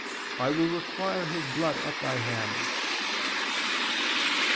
I will require his blood at thy hand."